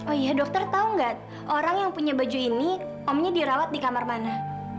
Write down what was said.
oh iya dokter tahu nggak orang yang punya baju ini omnya dirawat di kamar mana